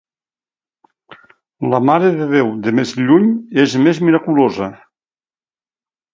La Mare de Déu de més lluny és més miraculosa.